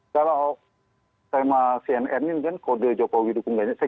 kalau tema cnn ini kan kode jokowi dukung banyak